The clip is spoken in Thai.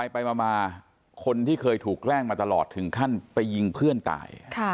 ไปมาคนที่เคยถูกแกล้งมาตลอดถึงขั้นไปยิงเพื่อนตาย